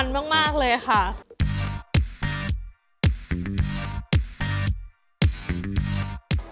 ๓๕๐มีลองกลับถึงทราบ